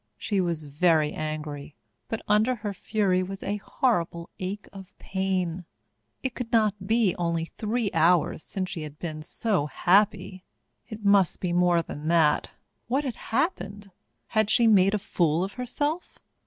She was very angry, but under her fury was a horrible ache of pain. It could not be only three hours since she had been so happy! It must be more than that! What had happened? Had she made a fool of herself?